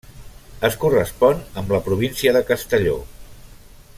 Es correspon amb la província de Castelló.